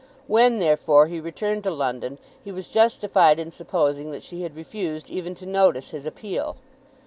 When, therefore, he returned to London he was justified in supposing that she had refused even to notice his appeal.